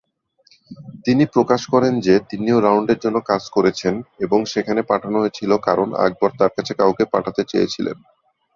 তিনি প্রকাশ করেন যে তিনিও রাউন্ডের জন্য কাজ করছেন এবং সেখানে পাঠানো হয়েছিল কারণ আকবর তার কাছে কাউকে পাঠাতে চেয়েছিলেন।